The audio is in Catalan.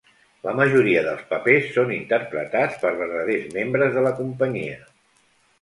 La majoria dels papers són interpretats per verdaders membres de la companyia.